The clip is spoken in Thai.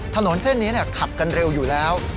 ถนนเส้นนี้ขับกันเร็วอยู่แล้ว